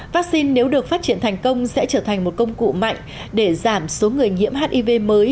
vaccine nếu được phát triển thành công sẽ trở thành một công cụ mạnh để giảm số người nhiễm hiv mới